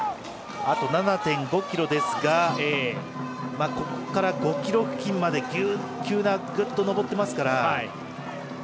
あと７．５ｋｍですがここから５ｋｍ付近まで急な、グッと上ってますから。